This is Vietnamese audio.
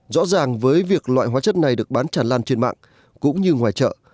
rõ ràng với việc loại hóa chất này được bán tràn lan trên mạng cũng như ngoài chợ